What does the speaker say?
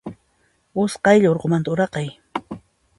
Usqaylla urqumanta uraqay.